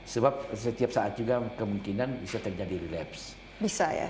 sebab setiap saat juga kemungkinan bisa terjadi relapse